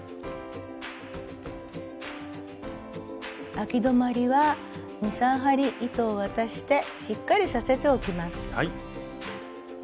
あき止まりは２３針糸を渡してしっかりさせておきます。